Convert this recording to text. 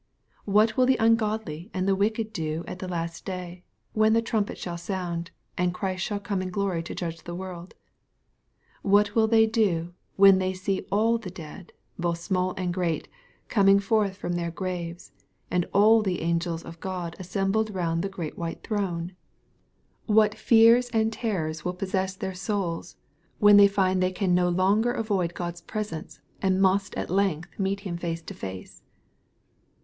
What will the ungodly and tho wicked do at the last day, when the trumpet shall sound, and Christ shall come in glory to judge the world ? What will they do, when they see a^l the dead, both small and great, coming forth from their graves, and all the angels of God assembled round the great white throne f 406 VXPOSITOBT THOUGHTB. What fears and terrors will possess their souls^ when the j find they can no longer avoid God's presence, and must at length meet Him face to face